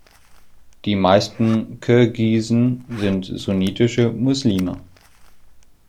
Die meisten Kirgisen sind sunnitische Muslime.